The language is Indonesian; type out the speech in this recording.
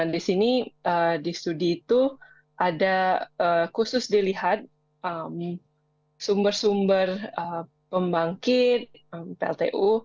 di sini di studi itu ada khusus dilihat sumber sumber pembangkit pltu